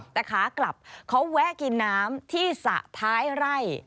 แต่ขากลับเขาแวะกินน้ำที่สระท้ายไร่